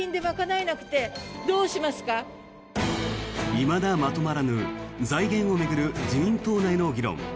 いまだまとまらぬ財源を巡る自民党内の議論。